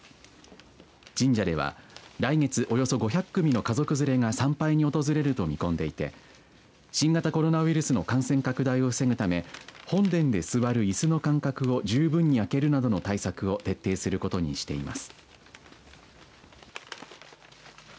神社では来月およそ５００組の家族連れが参拝に訪れると見込んでいて新型コロナウイルスの感染拡大防ぐため本殿で座るいすの間隔を十分に空けるなどの対策を徹底することにしています。